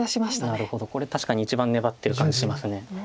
なるほどこれ確かに一番粘ってる感じします。